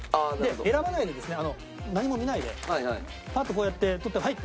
選ばないでですね何も見ないでパッとこうやって取ってはいって。